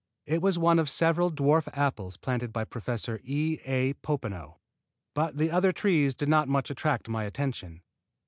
It was one of several dwarf apples planted by Professor E. A. Popenoe, but the other trees did not much attract my attention.